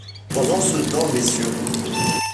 Pendant ce temps, Mrs.